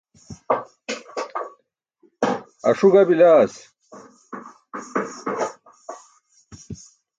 Aṣu ga bilaas.